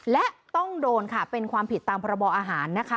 และต้องโดนค่ะเป็นความผิดตามพบอาหารนะคะ